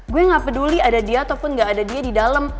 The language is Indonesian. gue gak peduli ada dia ataupun gak ada dia di dalam